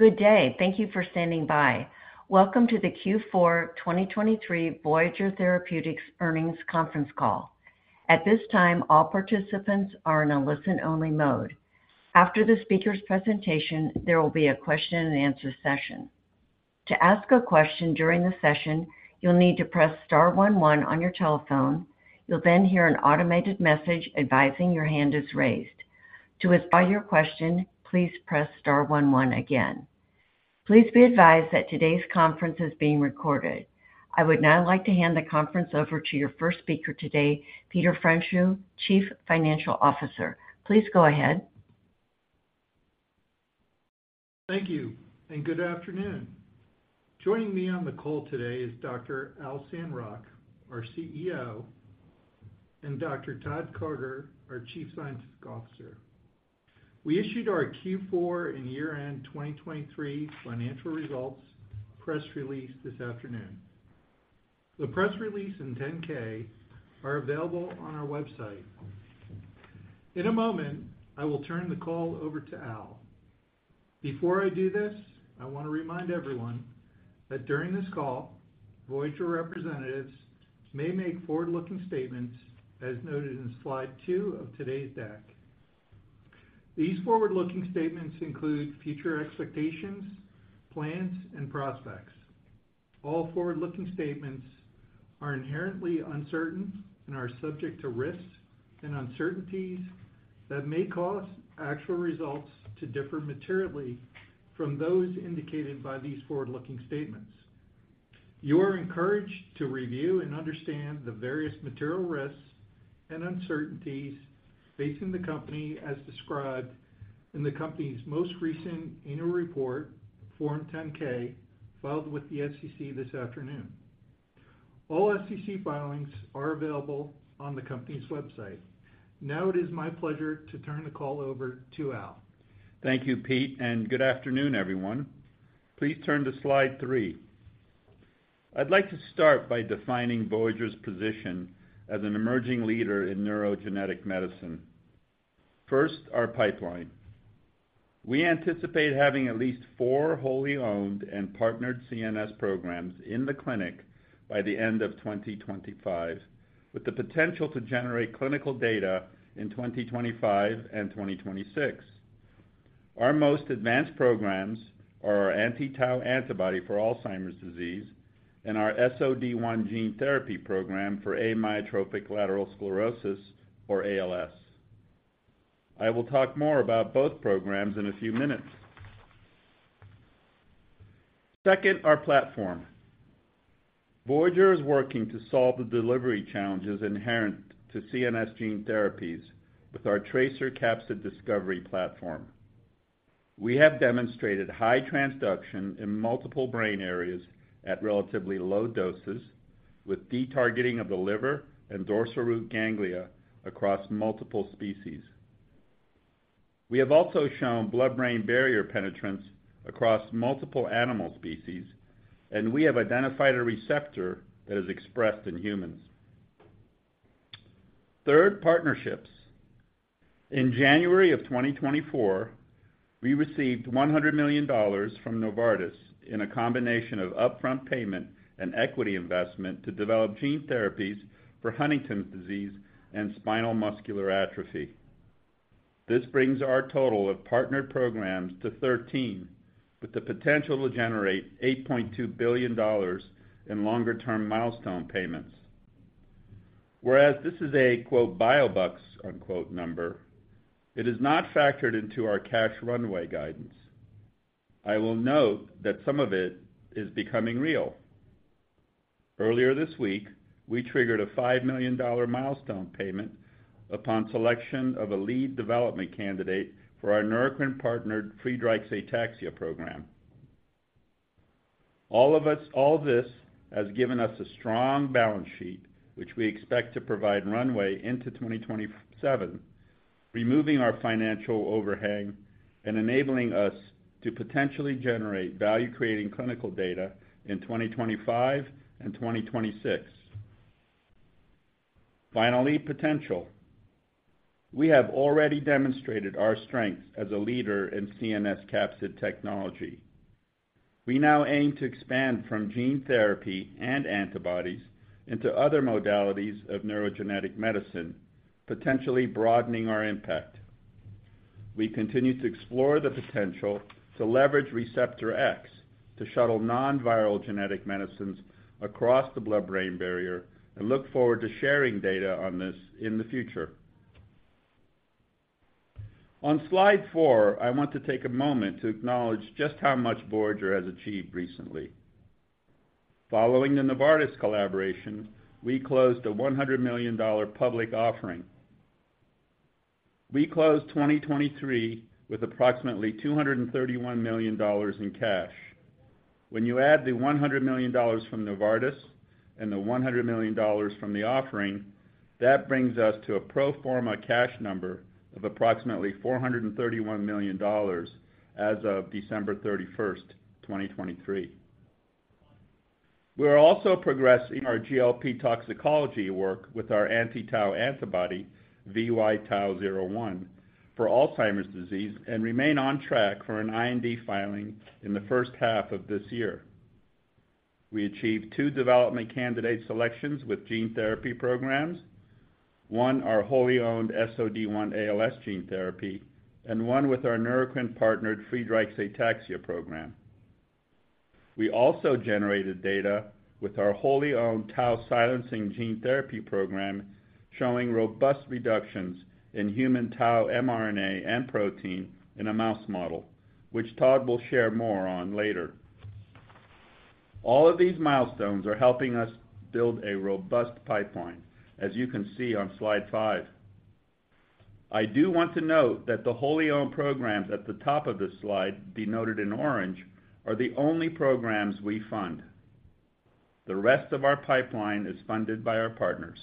Good day, thank you for standing by. Welcome to the Q4 2023 Voyager Therapeutics earnings conference call. At this time, all participants are in a listen-only mode. After the speaker's presentation, there will be a question-and-answer session. To ask a question during the session, you'll need to press star 11 on your telephone. You'll then hear an automated message advising your hand is raised. To ask your question, please press star 11 again. Please be advised that today's conference is being recorded. I would now like to hand the conference over to your first speaker today, Peter Pfreundschuh, Chief Financial Officer. Please go ahead. Thank you, and good afternoon. Joining me on the call today is Dr. Al Sandrock, our CEO, and Dr. Todd Carter, our Chief Scientific Officer. We issued our Q4 and year-end 2023 financial results press release this afternoon. The press release and 10-K are available on our website. In a moment I will turn the call over to Al. Before I do this, I want to remind everyone that during this call, Voyager representatives may make forward-looking statements as noted in slide two of today's deck. These forward-looking statements include future expectations, plans, and prospects. All forward-looking statements are inherently uncertain and are subject to risks and uncertainties that may cause actual results to differ materially from those indicated by these forward-looking statements. You are encouraged to review and understand the various material risks and uncertainties facing the company as described in the company's most recent annual report, Form 10-K, filed with the SEC this afternoon. All SEC filings are available on the company's website. Now it is my pleasure to turn the call over to Al. Thank you Pete, and good afternoon, everyone. Please turn to slide three. I'd like to start by defining Voyager's position as an emerging leader in neurogenetic medicine. First, our pipeline. We anticipate having at least four wholly owned and partnered CNS programs in the clinic by the end of 2025, with the potential to generate clinical data in 2025 and 2026. Our most advanced programs are our anti-tau antibody for Alzheimer's disease and our SOD1 gene therapy program for amyotrophic lateral sclerosis, or ALS. I will talk more about both programs in a few minutes. Second, our platform. Voyager is working to solve the delivery challenges inherent to CNS gene therapies with our TRACER capsid discovery platform. We have demonstrated high transduction in multiple brain areas at relatively low doses, with detargeting of the liver and dorsal root ganglia across multiple species. We have also shown blood-brain barrier penetrance across multiple animal species, and we have identified a receptor that is expressed in humans. Third, partnerships. In January of 2024, we received $100 million from Novartis in a combination of upfront payment and equity investment to develop gene therapies for Huntington's disease and spinal muscular atrophy. This brings our total of partnered programs to 13, with the potential to generate $8.2 billion in longer-term milestone payments. Whereas this is a "biobucks" number, it is not factored into our cash runway guidance. I will note that some of it is becoming real. Earlier this week, we triggered a $5 million milestone payment upon selection of a lead development candidate for our Neurocrine partnered Friedreich's Ataxia program. All of this has given us a strong balance sheet, which we expect to provide runway into 2027, removing our financial overhang and enabling us to potentially generate value-creating clinical data in 2025 and 2026. Finally, potential. We have already demonstrated our strengths as a leader in CNS capsid technology. We now aim to expand from gene therapy and antibodies into other modalities of neurogenetic medicine, potentially broadening our impact. We continue to explore the potential to leverage receptor X to shuttle non-viral genetic medicines across the blood-brain barrier and look forward to sharing data on this in the future. On slide four, I want to take a moment to acknowledge just how much Voyager has achieved recently. Following the Novartis collaboration, we closed a $100 million public offering. We closed 2023 with approximately $231 million in cash. When you add the $100 million from Novartis and the $100 million from the offering, that brings us to a pro forma cash number of approximately $431 million as of December 31, 2023. We are also progressing our GLP toxicology work with our anti-tau antibody, VY-TAU01, for Alzheimer's disease and remain on track for an IND filing in the first half of this year. We achieved two development candidate selections with gene therapy programs: one, our wholly owned SOD1 ALS gene therapy, and one with our Neurocrine partnered Friedreich's Ataxia program. We also generated data with our wholly owned tau silencing gene therapy program, showing robust reductions in human tau mRNA and protein in a mouse model, which Todd will share more on later. All of these milestones are helping us build a robust pipeline, as you can see on slide 5. I do want to note that the wholly owned programs at the top of this slide, denoted in orange, are the only programs we fund. The rest of our pipeline is funded by our partners.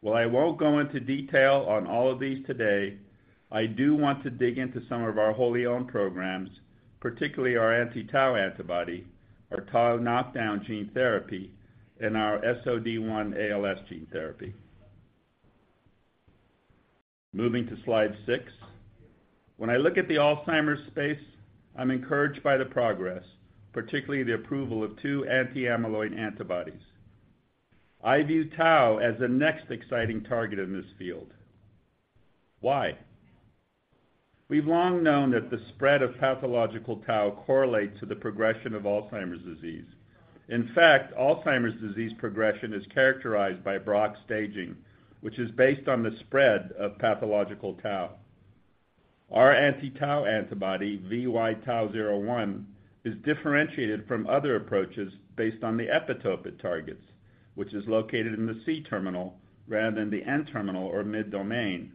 While I won't go into detail on all of these today, I do want to dig into some of our wholly owned programs, particularly our anti-tau antibody, our tau knockdown gene therapy, and our SOD1 ALS gene therapy. Moving to slide six. When I look at the Alzheimer's space, I'm encouraged by the progress, particularly the approval of two anti-amyloid antibodies. I view Tau as the next exciting target in this field. Why? We've long known that the spread of pathological Tau correlates to the progression of Alzheimer's disease. In fact, Alzheimer's disease progression is characterized by Braak staging, which is based on the spread of pathological tau. Our anti-tau antibody, VY-TAU01, is differentiated from other approaches based on the epitope targets, which is located in the C-terminal rather than the N-terminal or mid-domain,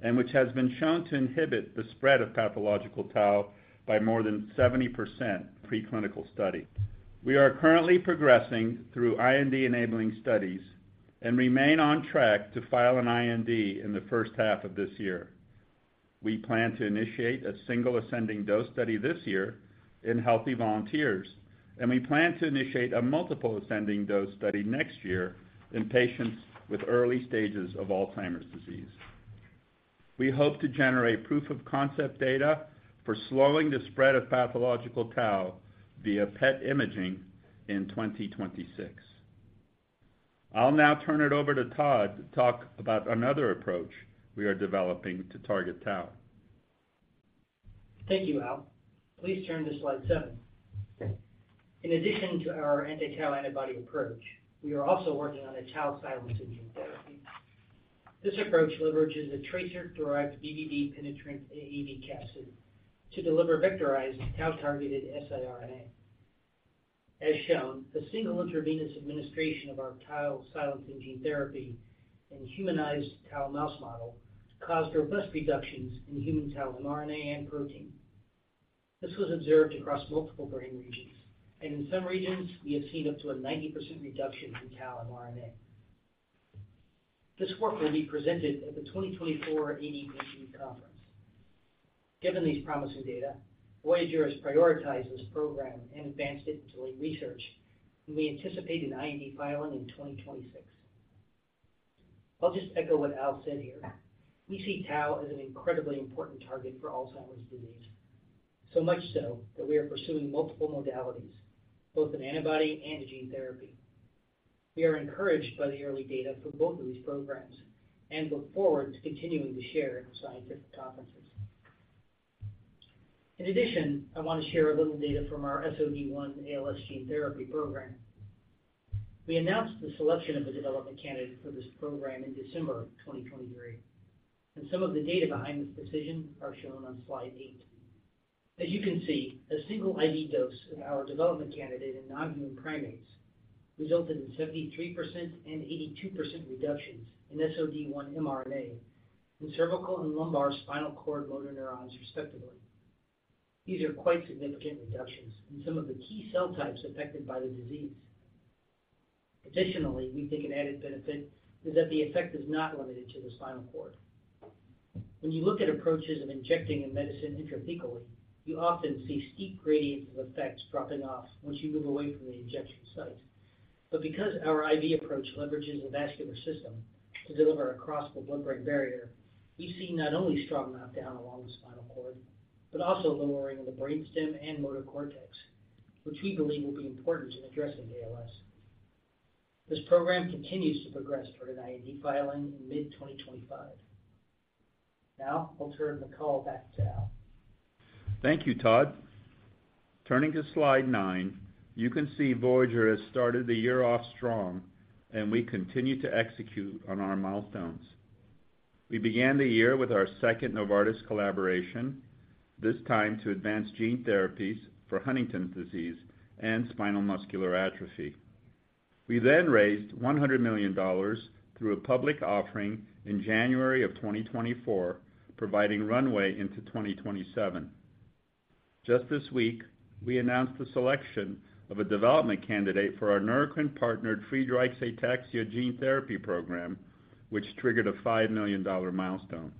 and which has been shown to inhibit the spread of pathological tau by more than 70%. Pre-clinical study. We are currently progressing through IND-enabling studies and remain on track to file an IND in the first half of this year. We plan to initiate a single ascending dose study this year in healthy volunteers, and we plan to initiate a multiple ascending dose study next year in patients with early stages of Alzheimer's disease. We hope to generate proof-of-concept data for slowing the spread of pathological tau via PET imaging in 2026. I'll now turn it over to Todd to talk about another approach we are developing to target tau. Thank you, Al. Please turn to slide seven. In addition to our anti-tau antibody approach, we are also working on a tau silencing gene therapy. This approach leverages a TRACER-derived BBB penetrant AAV capsid to deliver vectorized tau-targeted siRNA. As shown, a single intravenous administration of our Tau silencing gene therapy in humanized Tau mouse model caused robust reductions in human Tau mRNA and protein. This was observed across multiple brain regions, and in some regions, we have seen up to a 90% reduction in Tau mRNA. This work will be presented at the 2024 AD/PD Conference. Given these promising data, Voyager has prioritized this program and advanced it into late research, and we anticipate an IND filing in 2026. I'll just echo what Al said here. We see tau as an incredibly important target for Alzheimer's disease, so much so that we are pursuing multiple modalities, both an antibody and a gene therapy. We are encouraged by the early data for both of these programs and look forward to continuing to share at scientific conferences. In addition, I want to share a little data from our SOD1 ALS gene therapy program. We announced the selection of a development candidate for this program in December 2023, and some of the data behind this decision are shown on slide eight. As you can see, a single IV dose of our development candidate in non-human primates resulted in 73% and 82% reductions in SOD1 mRNA in cervical and lumbar spinal cord motor neurons, respectively. These are quite significant reductions in some of the key cell types affected by the disease. Additionally, we think an added benefit is that the effect is not limited to the spinal cord. When you look at approaches of injecting a medicine intrathecally, you often see steep gradients of effects dropping off once you move away from the injection site. But because our IV approach leverages the vascular system to deliver across the blood-brain barrier, we see not only strong knockdown along the spinal cord but also lowering in the brainstem and motor cortex, which we believe will be important in addressing ALS. This program continues to progress toward an IND filing in mid-2025. Now I'll turn the call back to Al. Thank you, Todd. Turning to slide seven. You can see Voyager has started the year off strong, and we continue to execute on our milestones. We began the year with our second Novartis collaboration, this time to advance gene therapies for Huntington's disease and spinal muscular atrophy. We then raised $100 million through a public offering in January of 2024, providing runway into 2027. Just this week, we announced the selection of a development candidate for our Neurocrine partnered Friedreich's Ataxia gene therapy program, which triggered a $5 million milestone.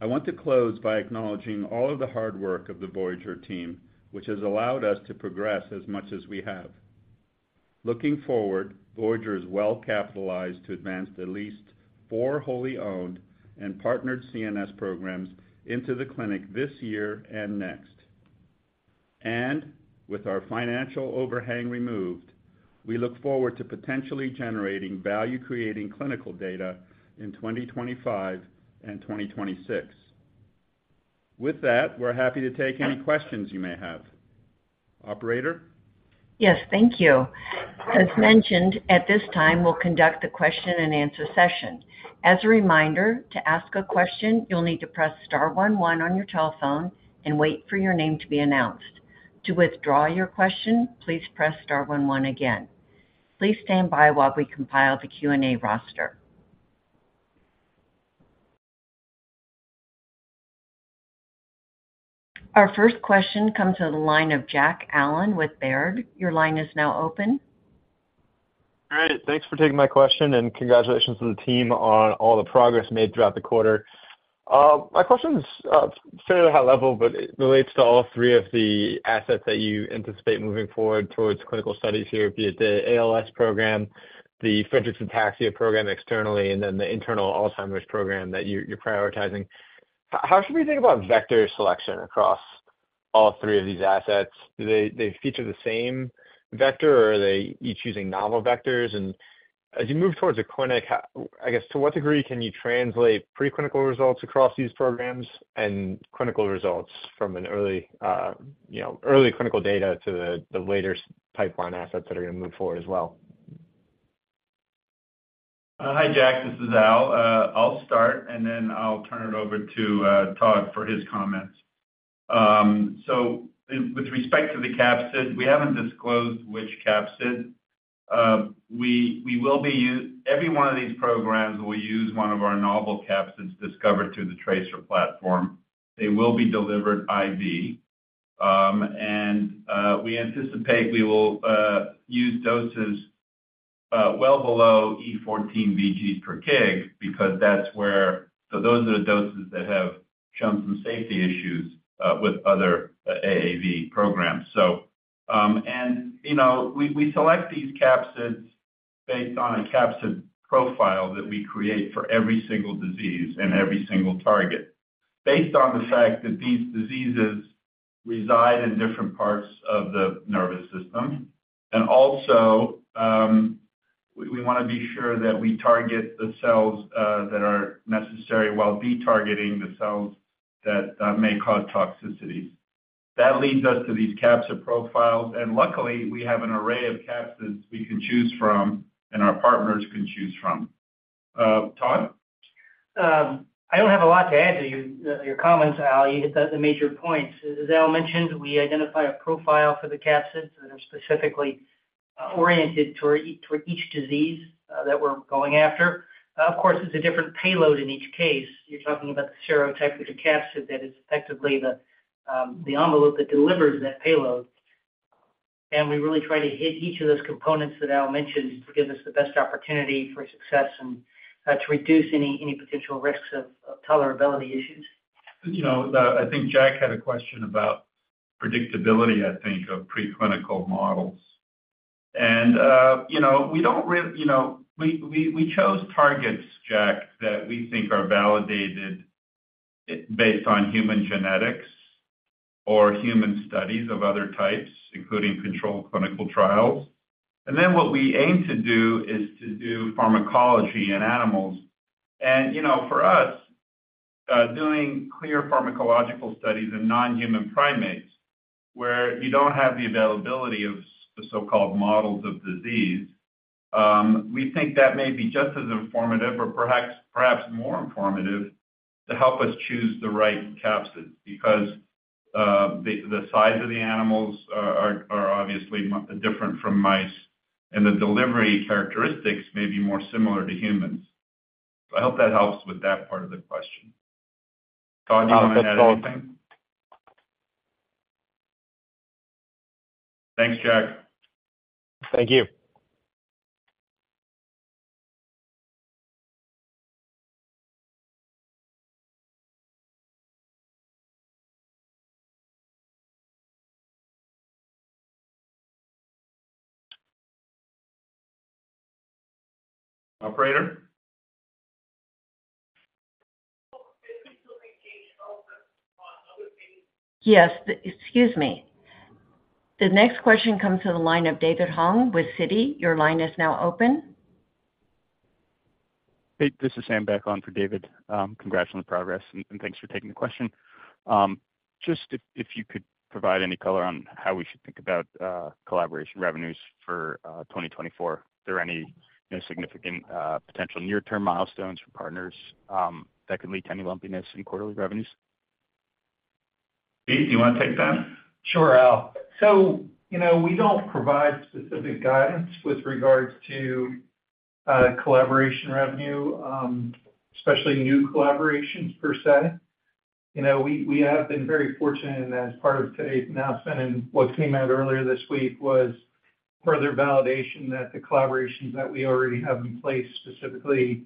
I want to close by acknowledging all of the hard work of the Voyager team, which has allowed us to progress as much as we have. Looking forward, Voyager is well capitalized to advance at least four wholly owned and partnered CNS programs into the clinic this year and next. With our financial overhang removed, we look forward to potentially generating value-creating clinical data in 2025 and 2026. With that, we're happy to take any questions you may have. Operator? Yes, thank you. As mentioned, at this time, we'll conduct the question-and-answer session. As a reminder, to ask a question, you'll need to press star 11 on your telephone and wait for your name to be announced. To withdraw your question, please press star 11 again. Please stand by while we compile the Q&A roster. Our first question comes to the line of Jack Allen with Baird. Your line is now open. Great. Thanks for taking my question, and congratulations to the team on all the progress made throughout the quarter. My question's fairly high-level, but it relates to all three of the assets that you anticipate moving forward towards clinical studies here via the ALS program, the Friedreich's Ataxia program externally, and then the internal Alzheimer's program that you're prioritizing. How should we think about vector selection across all three of these assets? Do they feature the same vector, or are they each using novel vectors? And as you move towards a clinic, I guess, to what degree can you translate preclinical results across these programs and clinical results from early clinical data to the later pipeline assets that are going to move forward as well? Hi, Jack. This is Al. I'll start, and then I'll turn it over to Todd for his comments. So with respect to the capsid, we haven't disclosed which capsid. Every one of these programs will use one of our novel capsids discovered through the TRACER platform. They will be delivered IV. And we anticipate we will use doses well below E14 VGs per kg because those are the doses that have shown some safety issues with other AAV programs. And we select these capsids based on a capsid profile that we create for every single disease and every single target, based on the fact that these diseases reside in different parts of the nervous system. And also, we want to be sure that we target the cells that are necessary while detargeting the cells that may cause toxicities. That leads us to these capsid profiles. Luckily, we have an array of capsids we can choose from and our partners can choose from. Todd? I don't have a lot to add to your comments, Al. You hit the major points. As Al mentioned, we identify a profile for the capsids that are specifically oriented toward each disease that we're going after. Of course, it's a different payload in each case. You're talking about the stereotype with the capsid that is effectively the envelope that delivers that payload. We really try to hit each of those components that Al mentioned to give us the best opportunity for success and to reduce any potential risks of tolerability issues. I think Jack had a question about predictability, I think, of preclinical models. And we chose targets, Jack, that we think are validated based on human genetics or human studies of other types, including controlled clinical trials. And then what we aim to do is to do pharmacology in animals. And for us, doing clear pharmacological studies in non-human primates where you don't have the availability of the so-called models of disease, we think that may be just as informative or perhaps more informative to help us choose the right capsids because the size of the animals are obviously different from mice, and the delivery characteristics may be more similar to humans. So I hope that helps with that part of the question. Todd, do you want to add anything? Thanks, Jack. Thank you. Operator? Yes. Excuse me. The next question comes to the line of David Hoang with Citi. Your line is now open. Hey, this is Sam Beck on for David. Congrats on the progress, and thanks for taking the question. Just if you could provide any color on how we should think about collaboration revenues for 2024? Are there any significant potential near-term milestones for partners that could lead to any lumpiness in quarterly revenues? Pete, do you want to take that? Sure, Al. So we don't provide specific guidance with regards to collaboration revenue, especially new collaborations per se. We have been very fortunate as part of today's announcement, and what came out earlier this week was further validation that the collaborations that we already have in place, specifically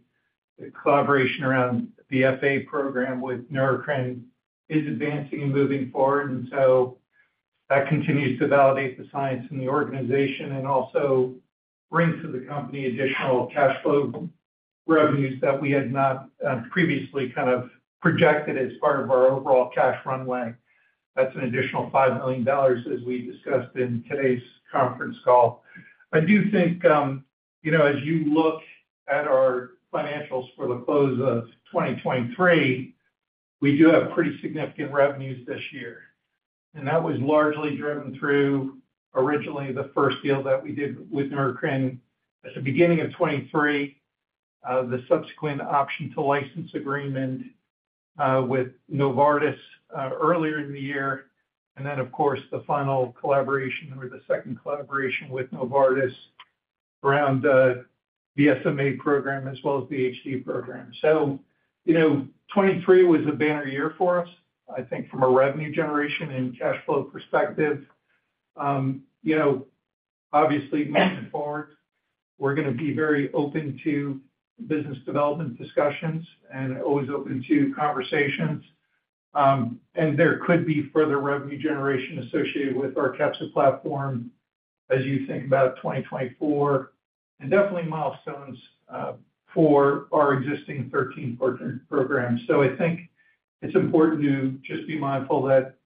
the collaboration around the FA program with Neurocrine, is advancing and moving forward. And so that continues to validate the science in the organization and also brings to the company additional cash flow revenues that we had not previously kind of projected as part of our overall cash runway. That's an additional $5 million, as we discussed in today's conference call. I do think, as you look at our financials for the close of 2023, we do have pretty significant revenues this year. And that was largely driven through, originally, the first deal that we did with Neurocrine at the beginning of 2023, the subsequent option to license agreement with Novartis earlier in the year, and then, of course, the final collaboration or the second collaboration with Novartis around the SMA program as well as the HD program. So 2023 was a banner year for us, I think, from a revenue generation and cash flow perspective. Obviously, moving forward, we're going to be very open to business development discussions and always open to conversations. And there could be further revenue generation associated with our capsid platform as you think about 2024, and definitely milestones for our existing 13-partner programs. So I think it's important to just be mindful that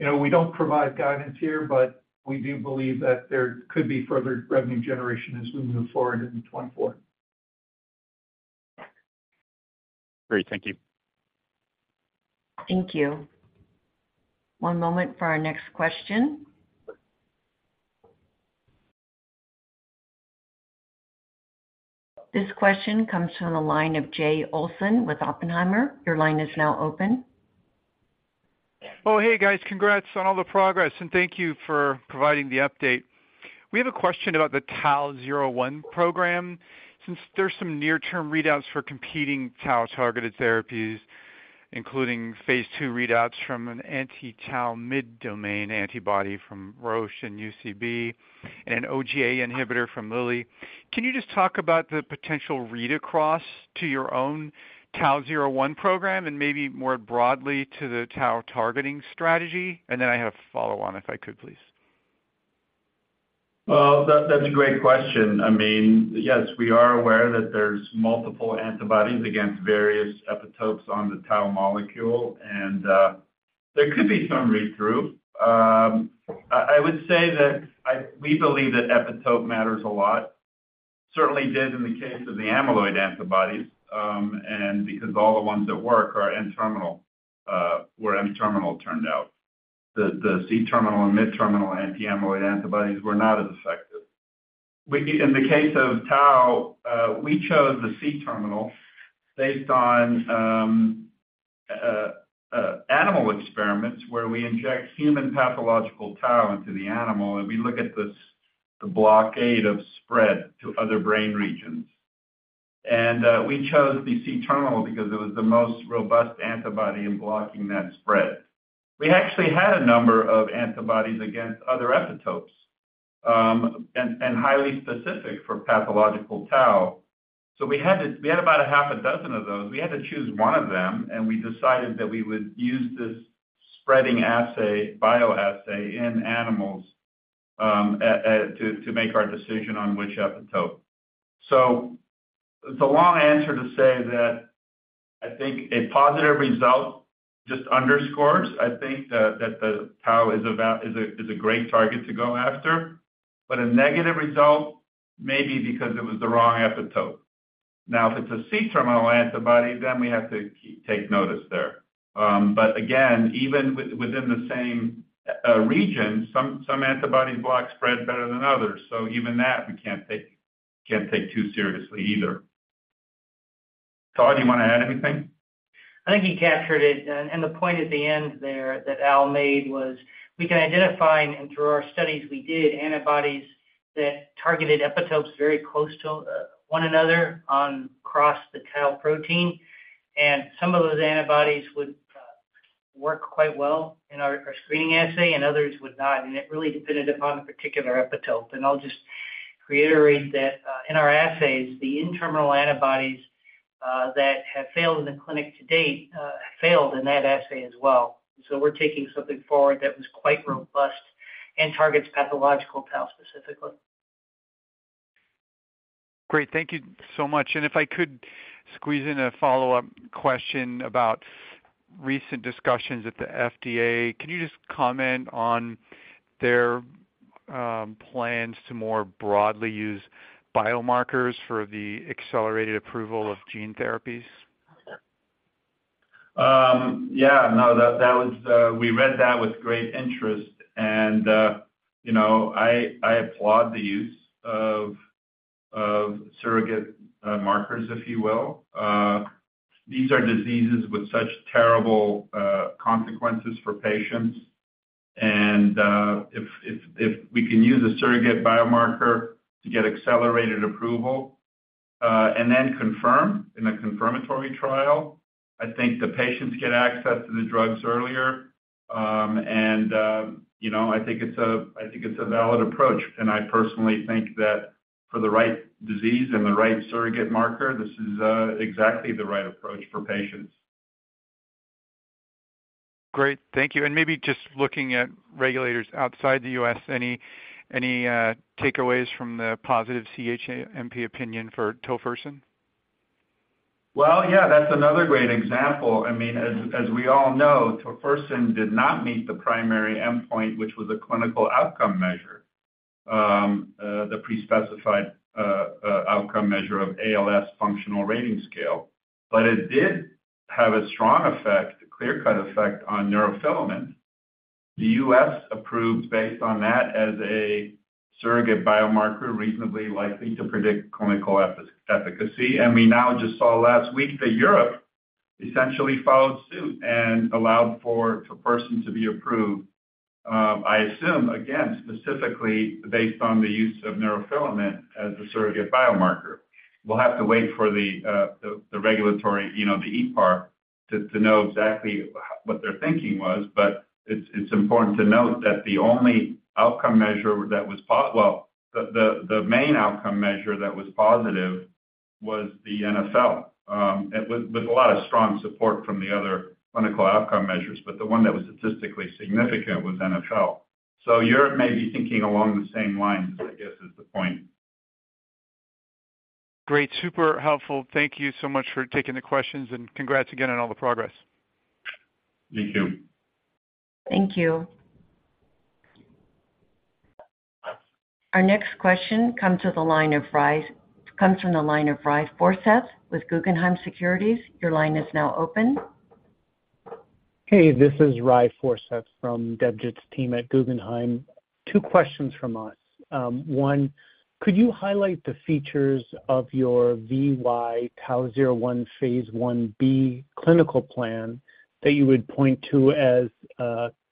we don't provide guidance here, but we do believe that there could be further revenue generation as we move forward in 2024. Great. Thank you. Thank you. One moment for our next question. This question comes from the line of Jay Olson with Oppenheimer. Your line is now open. Oh, hey, guys. Congrats on all the progress, and thank you for providing the update. We have a question about the Tau 01 program. Since there's some near-term readouts for competing tau-targeted therapies, including phase II readouts from an anti-tau mid-domain antibody from Roche and UCB and an OGA inhibitor from Lilly, can you just talk about the potential read-across to your own Tau 01 program and maybe more broadly to the tau-targeting strategy? Then I have a follow-on, if I could, please. Well, that's a great question. I mean, yes, we are aware that there's multiple antibodies against various epitopes on the tau molecule, and there could be some read-through. I would say that we believe that epitope matters a lot, certainly did in the case of the amyloid antibodies, and because all the ones that work were N-terminal, turned out. The C-terminal and mid-terminal anti-amyloid antibodies were not as effective. In the case of tau, we chose the C-terminal based on animal experiments where we inject human pathological tau into the animal, and we look at the blockade of spread to other brain regions. And we chose the C-terminal because it was the most robust antibody in blocking that spread. We actually had a number of antibodies against other epitopes and highly specific for pathological tau. So we had about a half dozen of those. We had to choose one of them, and we decided that we would use this spreading assay, bioassay, in animals to make our decision on which epitope. So it's a long answer to say that I think a positive result just underscores. I think that the Tau is a great target to go after, but a negative result may be because it was the wrong epitope. Now, if it's a C-terminal antibody, then we have to take notice there. But again, even within the same region, some antibodies block spread better than others. So even that, we can't take too seriously either. Todd, do you want to add anything? I think you captured it. The point at the end there that Al made was we can identify, and through our studies we did, antibodies that targeted epitopes very close to one another across the Tau protein. Some of those antibodies would work quite well in our screening assay, and others would not. It really depended upon the particular epitope. I'll just reiterate that in our assays, the N-terminal antibodies that have failed in the clinic to date have failed in that assay as well. We're taking something forward that was quite robust and targets pathological tau specifically. Great. Thank you so much. If I could squeeze in a follow-up question about recent discussions at the FDA, can you just comment on their plans to more broadly use biomarkers for the accelerated approval of gene therapies? Yeah. No, we read that with great interest, and I applaud the use of surrogate markers, if you will. These are diseases with such terrible consequences for patients. And if we can use a surrogate biomarker to get accelerated approval and then confirm in a confirmatory trial, I think the patients get access to the drugs earlier. And I think it's a valid approach. And I personally think that for the right disease and the right surrogate marker, this is exactly the right approach for patients. Great. Thank you. And maybe just looking at regulators outside the U.S., any takeaways from the positive CHMP opinion for Tofersen? Well, yeah, that's another great example. I mean, as we all know, Tofersen did not meet the primary endpoint, which was a clinical outcome measure, the prespecified outcome measure of ALS Functional Rating Scale. But it did have a strong effect, a clear-cut effect on neurofilament. The U.S. approved based on that as a surrogate biomarker reasonably likely to predict clinical efficacy. And we now just saw last week that Europe essentially followed suit and allowed for Tofersen to be approved, I assume, again, specifically based on the use of neurofilament as a surrogate biomarker. We'll have to wait for the regulatory, the EPAR, to know exactly what their thinking was. But it's important to note that the only outcome measure that was, the main outcome measure that was positive was the NfL with a lot of strong support from the other clinical outcome measures. The one that was statistically significant was NfL. Europe may be thinking along the same lines, I guess, is the point. Great. Super helpful. Thank you so much for taking the questions, and congrats again on all the progress. Thank you. Thank you. Our next question comes from the line of Ry Forseth with Guggenheim Securities. Your line is now open. Hey, this is Ry Forseth from Debjit's team at Guggenheim. Two questions from us. One, could you highlight the features of your VY-TAU01 Phase 1b clinical plan that you would point to as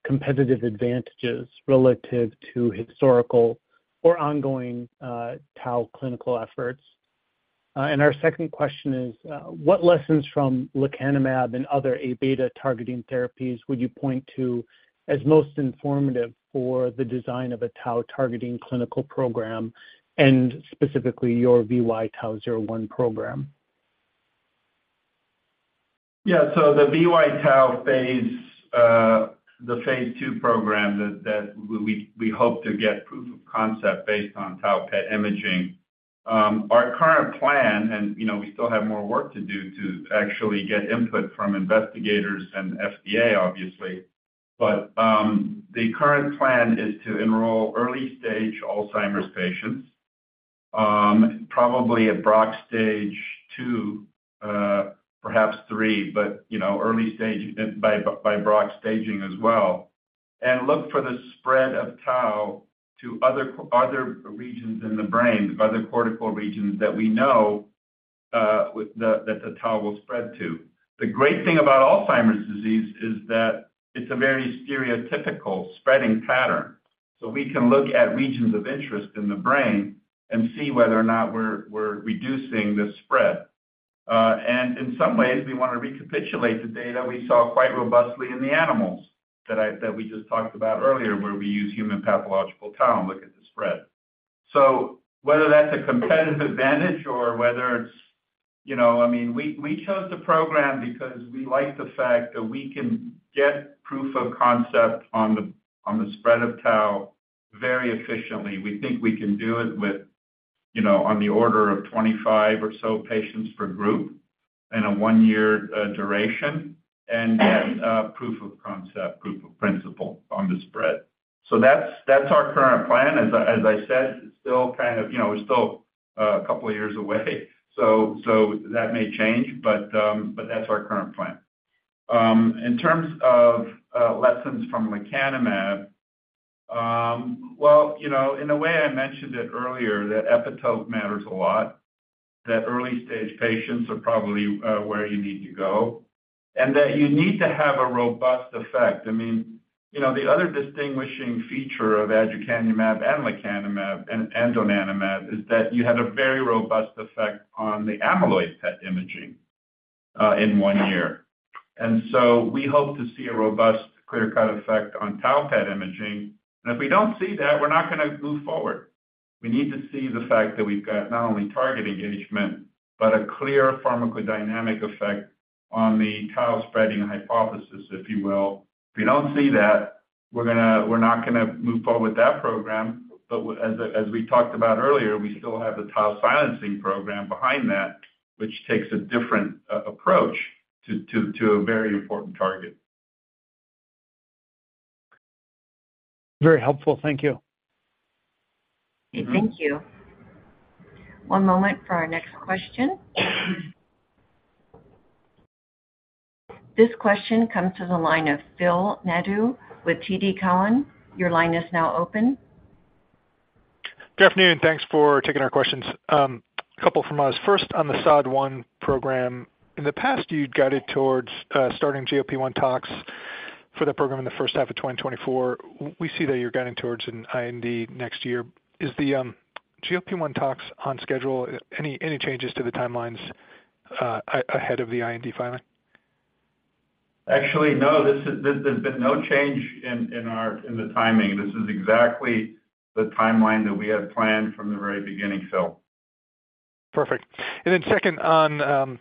competitive advantages relative to historical or ongoing tau clinical efforts? And our second question is, what lessons from lecanemab and other A-beta targeting therapies would you point to as most informative for the design of a tau targeting clinical program, and specifically your VY-TAU01 program? Yeah. So the VY-TAU phase II program that we hope to get proof of concept based on tau PET imaging, our current plan and we still have more work to do to actually get input from investigators and FDA, obviously. But the current plan is to enroll early-stage Alzheimer's patients, probably at Braak stage II, perhaps III but early stage by Braak staging as well, and look for the spread of tau to other regions in the brain, other cortical regions that we know that the tau will spread to. The great thing about Alzheimer's disease is that it's a very stereotypical spreading pattern. So we can look at regions of interest in the brain and see whether or not we're reducing the spread. In some ways, we want to recapitulate the data we saw quite robustly in the animals that we just talked about earlier where we use human pathological tau and look at the spread. Whether that's a competitive advantage or whether it's, I mean, we chose the program because we like the fact that we can get proof of concept on the spread of tau very efficiently. We think we can do it on the order of 25 or so patients per group in a one-year duration and get proof of concept, proof of principle on the spread. That's our current plan. As I said, it's still kind of we're still a couple of years away, so that may change. But that's our current plan. In terms of lessons from lecanemab, well, in a way, I mentioned it earlier that epitope matters a lot, that early-stage patients are probably where you need to go, and that you need to have a robust effect. I mean, the other distinguishing feature of aducanumab and lecanemab and donanemab is that you had a very robust effect on the amyloid PET imaging in one year. And so we hope to see a robust, clear-cut effect on tau PET imaging. And if we don't see that, we're not going to move forward. We need to see the fact that we've got not only target engagement but a clear pharmacodynamic effect on the tau spreading hypothesis, if you will. If we don't see that, we're not going to move forward with that program. But as we talked about earlier, we still have the tau silencing program behind that, which takes a different approach to a very important target. Very helpful. Thank you. Thank you. One moment for our next question. This question comes to the line of Phil Nadeau with TD Cowen. Your line is now open. Good afternoon, and thanks for taking our questions. A couple from us. First, on the SOD1 program, in the past, you'd guided towards starting GLP-1 tox for the program in the first half of 2024. We see that you're guiding towards an IND next year. Is the GLP-1 tox on schedule? Any changes to the timelines ahead of the IND filing? Actually, no. There's been no change in the timing. This is exactly the timeline that we had planned from the very beginning, Phil. Perfect. Then second, on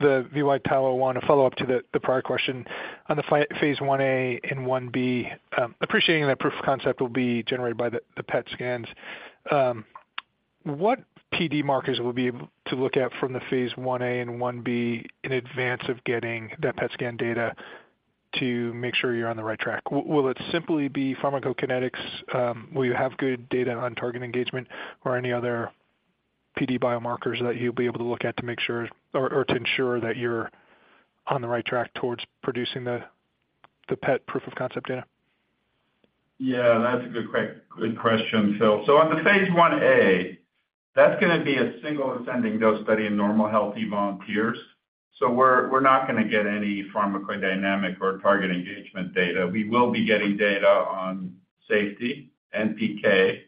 the VY-TAU01, a follow-up to the prior question, on the Phase 1a and 1b, appreciating that proof of concept will be generated by the PET scans. What PD markers will be able to look at from the Phase 1a and 1b in advance of getting that PET scan data to make sure you're on the right track? Will it simply be pharmacokinetics? Will you have good data on target engagement or any other PD biomarkers that you'll be able to look at to make sure or to ensure that you're on the right track towards producing the PET proof of concept data? Yeah, that's a good question, Phil. So on the Phase 1a, that's going to be a single ascending dose study in normal healthy volunteers. So we're not going to get any pharmacodynamic or target engagement data. We will be getting data on safety, PK,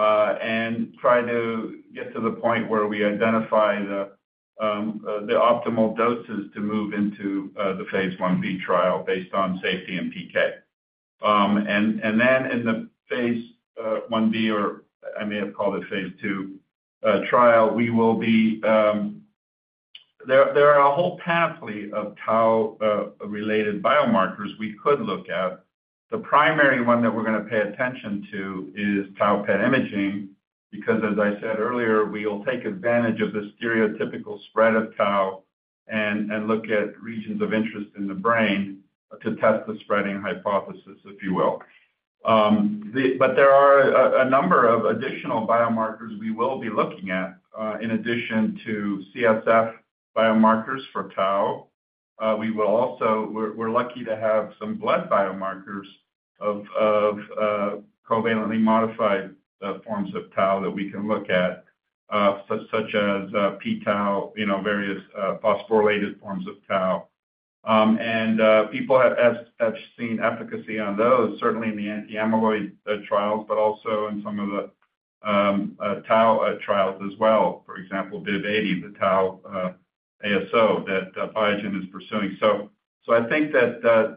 and try to get to the point where we identify the optimal doses to move into the Phase 1b trial based on safety and PK. And then in the Phase 1b, or I may have called it phase II trial, we will be - there are a whole path lead of tau-related biomarkers we could look at. The primary one that we're going to pay attention to is tau PET imaging because, as I said earlier, we'll take advantage of the stereotypical spread of Tau and look at regions of interest in the brain to test the spreading hypothesis, if you will. But there are a number of additional biomarkers we will be looking at. In addition to CSF biomarkers for Tau, we're lucky to have some blood biomarkers of covalently modified forms of tau that we can look at, such as pTau, various phosphorylated forms of tau. And people have seen efficacy on those, certainly in the anti-amyloid trials, but also in some of the tau trials as well, for example, BIIB080, the tau ASO that Biogen is pursuing. So I think that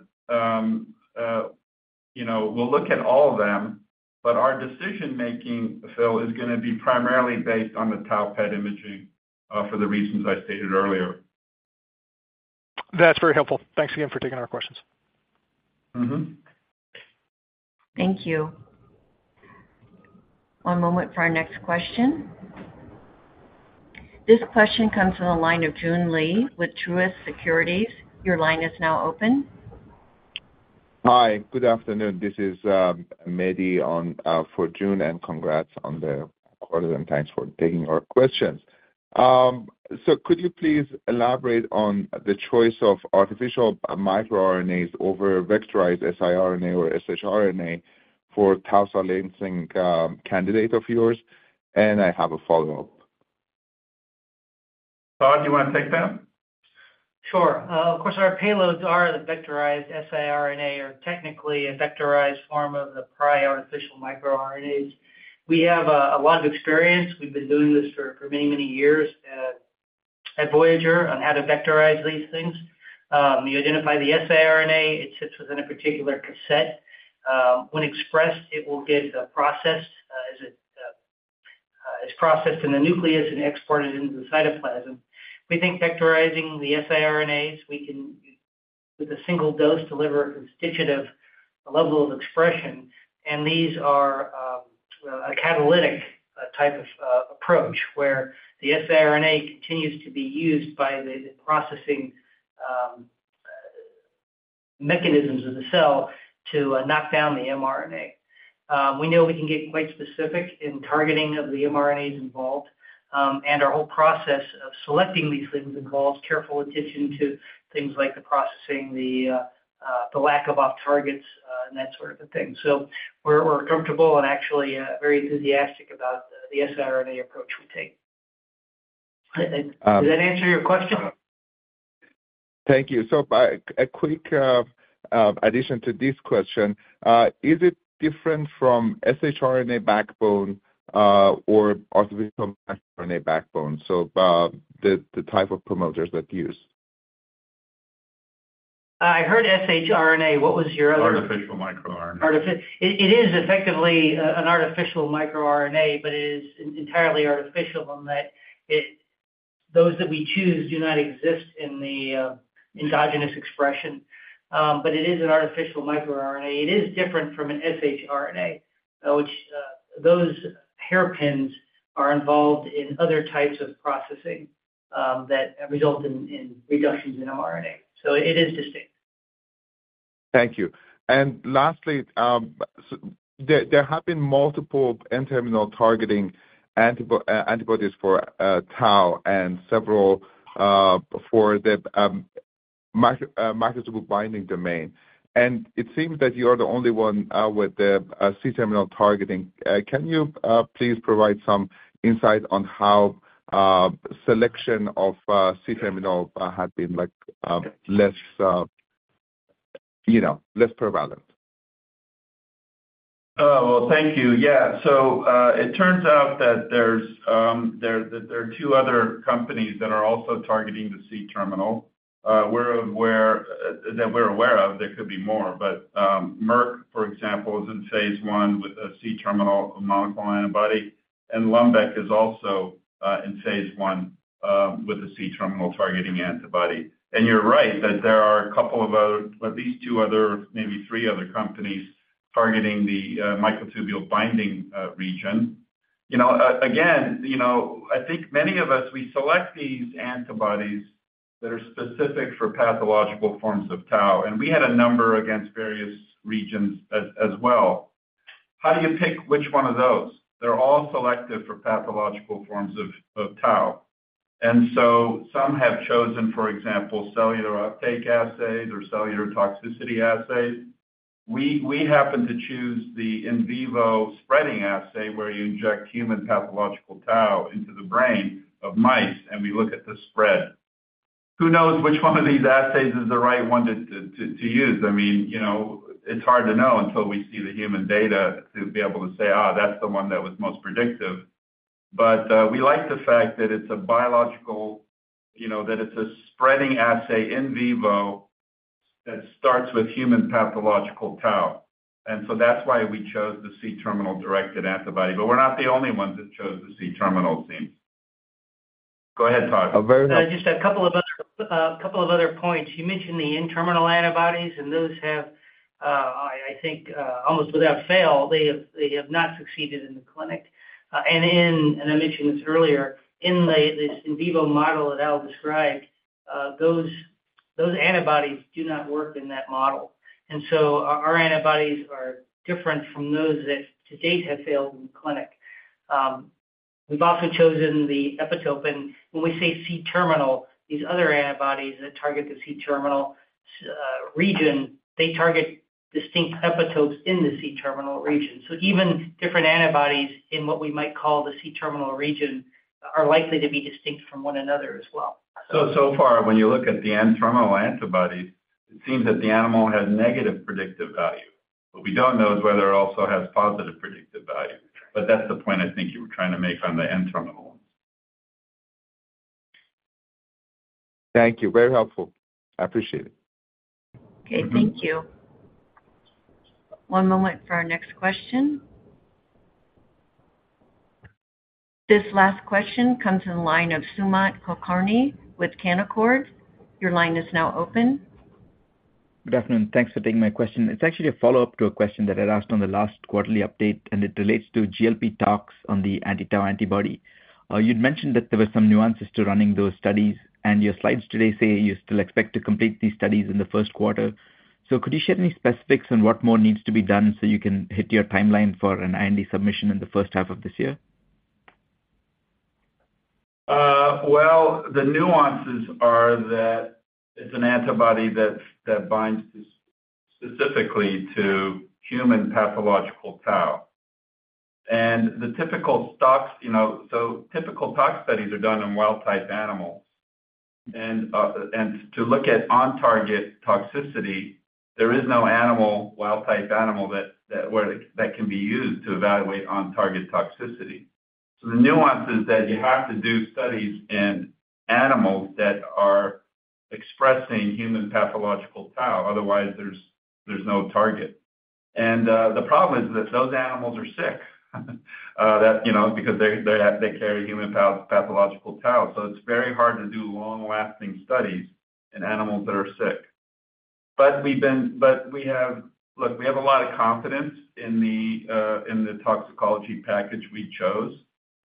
we'll look at all of them, but our decision-making, Phil, is going to be primarily based on the tau PET imaging for the reasons I stated earlier. That's very helpful. Thanks again for taking our questions. Thank you. One moment for our next question. This question comes to the line of Joon Lee with Truist Securities. Your line is now open. Hi. Good afternoon. This is Mehdi for Joon, and congrats on the record, and thanks for taking our questions. Could you please elaborate on the choice of artificial microRNAs over vectorized siRNA or shRNA for Tau silencing candidate of yours? And I have a follow-up. Todd, do you want to take that? Sure. Of course, our payloads are the vectorized siRNA, or technically a vectorized form of the prior artificial microRNAs. We have a lot of experience. We've been doing this for many, many years at Voyager on how to vectorize these things. You identify the siRNA. It sits within a particular cassette. When expressed, it will get processed as it is processed in the nucleus and exported into the cytoplasm. We think vectorizing the siRNAs, we can, with a single dose, deliver a constitutive level of expression. These are a catalytic type of approach where the siRNA continues to be used by the processing mechanisms of the cell to knock down the mRNA. We know we can get quite specific in targeting of the mRNAs involved. Our whole process of selecting these things involves careful attention to things like the processing, the lack of off-targets, and that sort of a thing. We're comfortable and actually very enthusiastic about the siRNA approach we take. Does that answer your question? Thank you. So, a quick addition to this question: is it different from shRNA backbone or artificial microRNA backbone, so the type of promoters that's used? I heard shRNA. What was your other? Artificial microRNA. It is effectively an artificial microRNA, but it is entirely artificial in that those that we choose do not exist in the endogenous expression. But it is an artificial microRNA. It is different from an shRNA, which those hairpins are involved in other types of processing that result in reductions in mRNA. So it is distinct. Thank you. And lastly, there have been multiple N-terminal targeting antibodies for Tau and several for the microtubule binding domain. And it seems that you are the only one with the C-terminal targeting. Can you please provide some insight on how selection of C-terminal had been less prevalent? Well, thank you. Yeah. So it turns out that there are two other companies that are also targeting the C-terminal. That we're aware of, there could be more. But Merck, for example, is in phase I with a C-terminal monoclonal antibody. And Lundbeck is also in phase I with a C-terminal targeting antibody. And you're right that there are a couple of other at least two other, maybe three other companies targeting the microtubule binding region. Again, I think many of us, we select these antibodies that are specific for pathological forms of tau. And we had a number against various regions as well. How do you pick which one of those? They're all selective for pathological forms of tau. And so some have chosen, for example, cellular uptake assays or cellular toxicity assays. We happen to choose the in vivo spreading assay where you inject human pathological tau into the brain of mice, and we look at the spread. Who knows which one of these assays is the right one to use? I mean, it's hard to know until we see the human data to be able to say, that's the one that was most predictive. But we like the fact that it's a biological that it's a spreading assay in vivo that starts with human pathological Tau. And so that's why we chose the C-terminal directed antibody. But we're not the only ones that chose the C-terminal, it seems. Go ahead, Todd. I just had a couple of points. You mentioned the N-terminal antibodies, and those have, I think, almost without fail, they have not succeeded in the clinic. I mentioned this earlier. In this in vivo model that Al described, those antibodies do not work in that model. So our antibodies are different from those that to date have failed in the clinic. We've also chosen the epitope. And when we say C-terminal, these other antibodies that target the C-terminal region, they target distinct epitopes in the C-terminal region. So even different antibodies in what we might call the C-terminal region are likely to be distinct from one another as well. So far, when you look at the N-terminal antibodies, it seems that the N-terminal has negative predictive value. What we don't know is whether it also has positive predictive value. But that's the point I think you were trying to make on the N-terminal ones. Thank you. Very helpful. I appreciate it. Okay. Thank you. One moment for our next question. This last question comes in the line of Sumant Kulkarni with Canaccord. Your line is now open. Good afternoon. Thanks for taking my question. It's actually a follow-up to a question that I'd asked on the last quarterly update, and it relates to GLP tox on the anti-tau antibody. You'd mentioned that there were some nuances to running those studies, and your slides today say you still expect to complete these studies in the first quarter. So could you share any specifics on what more needs to be done so you can hit your timeline for an IND submission in the first half of this year? Well, the nuances are that it's an antibody that binds specifically to human pathological tau. The typical tox, so typical tox studies are done in wild-type animals. And to look at on-target toxicity, there is no wild-type animal that can be used to evaluate on-target toxicity. So the nuance is that you have to do studies in animals that are expressing human pathological tau. Otherwise, there's no target. And the problem is that those animals are sick because they carry human pathological tau. So it's very hard to do long-lasting studies in animals that are sick. But we have look, we have a lot of confidence in the toxicology package we chose.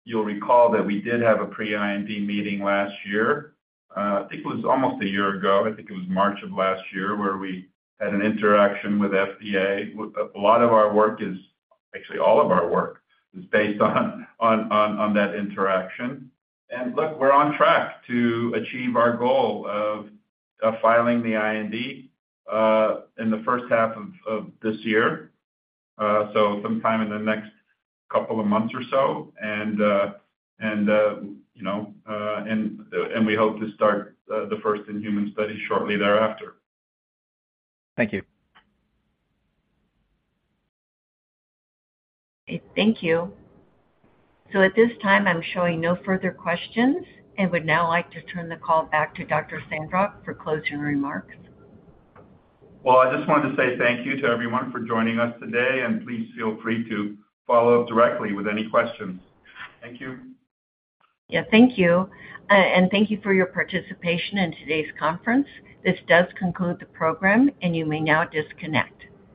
You'll recall that we did have a pre-IND meeting last year. I think it was almost a year ago. I think it was March of last year where we had an interaction with FDA. A lot of our work is actually, all of our work is based on that interaction. And look, we're on track to achieve our goal of filing the IND in the first half of this year, so sometime in the next couple of months or so. And we hope to start the first in-human study shortly thereafter. Thank you. Okay. Thank you. At this time, I'm showing no further questions and would now like to turn the call back to Dr. Sandrock for closing remarks. Well, I just wanted to say thank you to everyone for joining us today. Please feel free to follow up directly with any questions. Thank you. Yeah. Thank you. And thank you for your participation in today's conference. This does conclude the program, and you may now disconnect.